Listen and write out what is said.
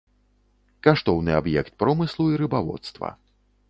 Каштоўны аб'ект промыслу і рыбаводства.